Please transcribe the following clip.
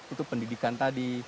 itu pendidikan tadi